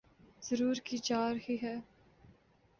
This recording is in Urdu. ضرور کی جارہی ہیں